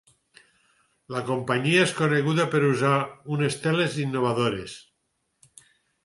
La companyia és coneguda per usar unes teles innovadores.